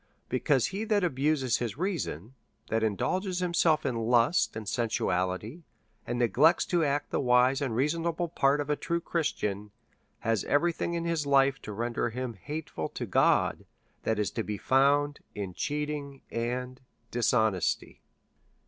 Because he that abuses his reason, that indulges himself in lust and sensuality, and neglects to act the wise and reasonable part of a true Chris tian, has every thing in his life to render him hateful to God, that is to be found in cheating and dishonesty.